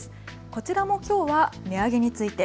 こちらもきょうは値上げについて。